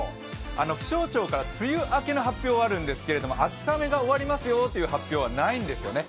気象庁から梅雨明けの発表はあるんですけど秋雨が終わりますよという発表はないんですよね。